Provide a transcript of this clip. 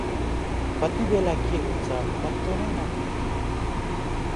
कति बेला के हुन्छ पत्तो नै नहुने भन्या।